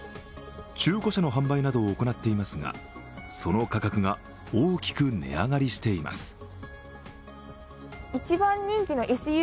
中古車の販売などを行っていますがその価格が大きく値上がりしています。